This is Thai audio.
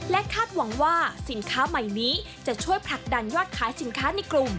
คาดหวังว่าสินค้าใหม่นี้จะช่วยผลักดันยอดขายสินค้าในกลุ่ม